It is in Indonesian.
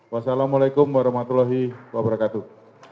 wassalamu'alaikum warahmatullahi wabarakatuh